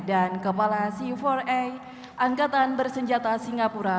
dan kepala cu empat a angkatan bersenjata singapura